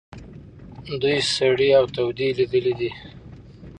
دوی سړې او تودې لیدلي دي.